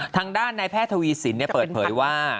ทางด้านนายแพทย์ทวีสินเปิดเผยว่า